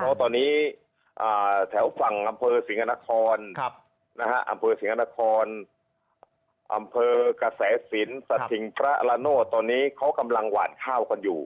เพราะตอนนี้แถวฝั่งอำเภอสิงหานครอำเภอสิงห์นครอำเภอกระแสสินสถิงพระละโนธตอนนี้เขากำลังหวานข้าวกันอยู่